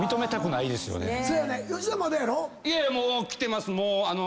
いやもう来てます。